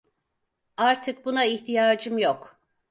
Artık buna ihtiyacım yok.